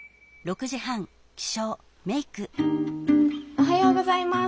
おはようございます。